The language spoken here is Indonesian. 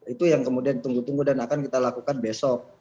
itu yang kemudian ditunggu tunggu dan akan kita lakukan besok